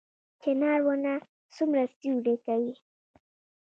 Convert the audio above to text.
چنار ونه څومره سیوری کوي؟